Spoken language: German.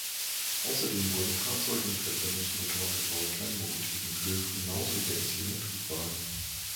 Außerdem wurden Fahrzeuge mit Verbrennungsmotoren gebaut, Kleinlokomotiven Köf genauso wie der Esslinger Triebwagen.